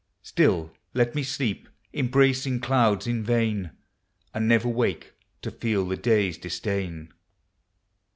Still let me sleep, embracing clouds in vain. And never wake to feel the day's disdain.